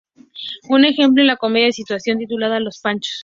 Un ejemplo es la comedia de situación titulada "Los Panchos".